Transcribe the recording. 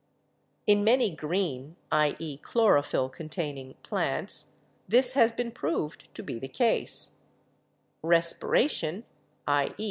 In many green — i.e., chlorophyll containing — plants this has been proved to be the case ; respiration — i.e.